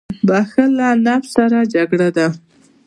• بښل له نفس سره جګړه ده.